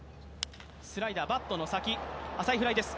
スライダー、バットの先、浅いフライです。